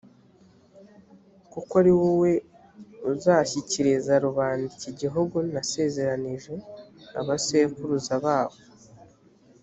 kuko ari wowe uzashyikiriza rubanda iki gihugu nasezeranije abasekuruza babo